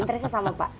interestnya sama pak